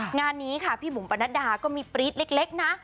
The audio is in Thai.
งานนี้ค่ะพี่บุ๋มปนัดดาก็มีปรี๊ดเล็กนะ